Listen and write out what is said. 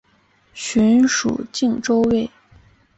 寻属靖州卫。